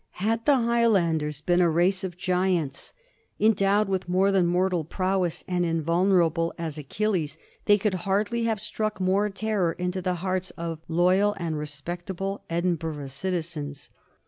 Had the High landers been a race of giants, endowed with more than mortal prowess, and invulnerable as Achilles, they could hardly have struck more terror into the hearts of loyal and respectable Edinburgh citizens.